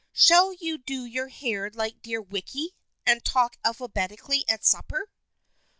" Shall you do your hair like dear Wicky, and talk alphabetically at supper